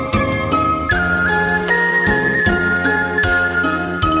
มีบายก็ได้